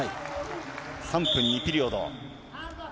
３分にピリオド。